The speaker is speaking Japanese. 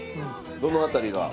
どの辺りが？